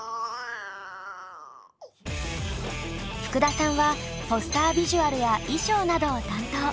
ふくださんはポスタービジュアルや衣装などを担当。